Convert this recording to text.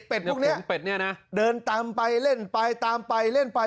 เป็ดพวกเนี้ยเดินตามไปเล่นไปตามไปเล่นไป